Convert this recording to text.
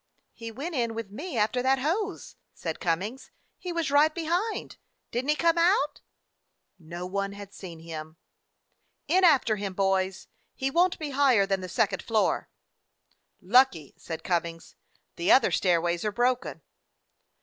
"He went in with me after that hose," said Cummings. "He was right behind. Did n't he come out?" No one had seen him. "In after him, boys. He won't be higher than the second floor." "Lucky," said Cummings. "The other stairways are broken."